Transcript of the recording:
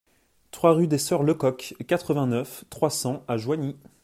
trois rue des Soeurs Lecoq, quatre-vingt-neuf, trois cents à Joigny